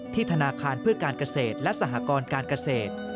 ธนาคารเพื่อการเกษตรและสหกรการเกษตร